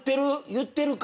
言ってるか。